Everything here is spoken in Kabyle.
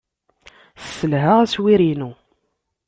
Sselhaɣ aswir-inu.